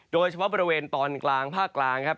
โดยเฉพาะบริเวณตอนกลางภาคกลางครับ